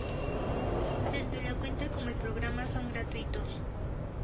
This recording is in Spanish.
Tanto la cuenta como el programa son gratuitos.